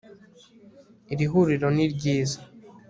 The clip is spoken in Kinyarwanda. Iri huriro ni ryiza